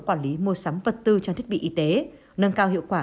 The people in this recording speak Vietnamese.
quản lý mua sắm vật tư trang thiết bị y tế nâng cao hiệu quả